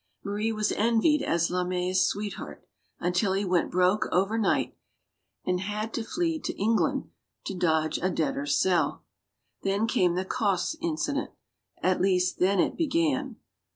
Marie was envied as Lamet's sweetheart; until he went broke, overnight, and had to flee to England to dodge a debtor's cell. Then came the Cosse incident; at least, then it be gan.